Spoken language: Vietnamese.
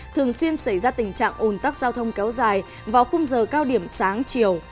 thường xuyên xảy ra tình trạng ồn tắc giao thông kéo dài vào khung giờ cao điểm sáng chiều